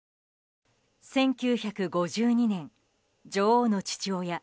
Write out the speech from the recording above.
１９５２年、女王の父親